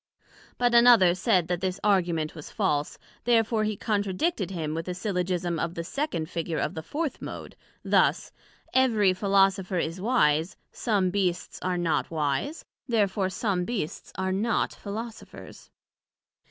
But another said that this Argument was false, therefore he contradicted him with a Syllogism of the second Figure of the fourth Mode, thus: Every Philosopher is wise: some Beasts are not wise, Therefore some Beasts are not Philosophers.